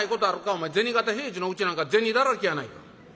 お前銭形平次のうちなんか銭だらけやないか」。